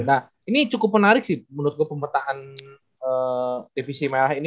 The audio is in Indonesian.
nah ini cukup menarik sih menurut gue pemetaan divisi merah ini